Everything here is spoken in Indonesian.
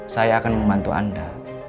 saya akan membantu anda